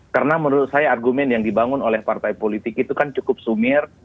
karena menurut saya argumen yang dibangun oleh partai politik itu kan cukup sumir